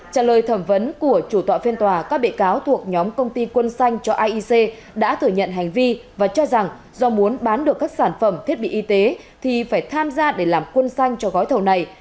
trả lời thẩm vấn của chủ tọa phiên tòa các bị cáo thuộc nhóm công ty quân xanh cho aic đã thừa nhận hành vi và cho rằng do muốn bán được các sản phẩm thiết bị y tế thì phải tham gia để làm quân xanh cho gói thầu này